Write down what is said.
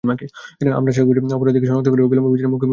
আমরা আশা করি অপরাধীকে শনাক্ত করে অবিলম্বে বিচারের মুখোমুখি করা হবে।